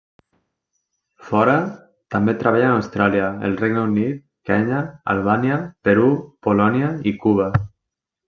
Fora, també treballa en Austràlia, el Regne Unit, Kenya, Albània, Perú, Polònia i Cuba.